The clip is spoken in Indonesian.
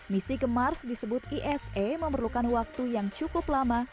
misi ke mars disebut esa memerlukan waktu yang cukup lama